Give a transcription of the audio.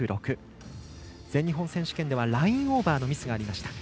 全日本選手権ではラインオーバーのミスがありました。